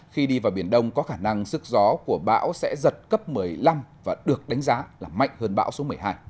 khi đi vào biển đông có khả năng sức gió của bão sẽ giật cấp một mươi năm và được đánh giá là mạnh hơn bão số một mươi hai